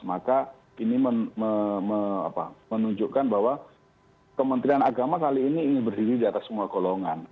maka ini menunjukkan bahwa kementerian agama kali ini ingin berdiri di atas semua golongan